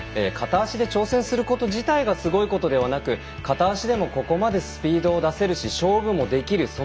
片足で挑戦すること自体がすごいことではなく片足でも、ここまでスピードを出せるし勝負もできる。